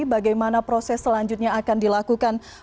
bagaimana proses selanjutnya akan dilakukan